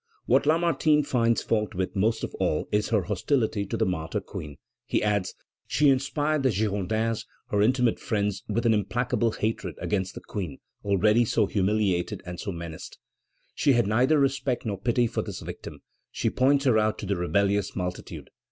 What Lamartine finds fault with most of all is her hostility to the martyr Queen. He adds: "She inspired the Girondins, her intimate friends, with an implacable hatred against the Queen, already so humiliated and so menaced; she had neither respect nor pity for this victim; she points her out to the rebellious multitude.